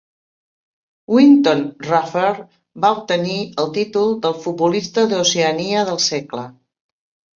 Wynton Rufer va obtenir el títol del Futbolista d'Oceania del Segle.